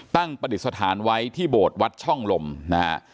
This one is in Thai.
ประดิษฐานไว้ที่โบสถ์วัดช่องลมนะฮะ